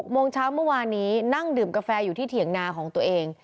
โมงเช้าเมื่อวานนี้นั่งดื่มกาแฟอยู่ที่เถียงนาของตัวเอง